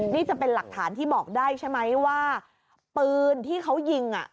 นี่จะเป็นหลักฐานที่บอกได้ใช่ไหมว่าปืนที่เขายิงอ่ะ